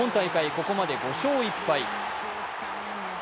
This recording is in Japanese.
ここまで５勝１敗。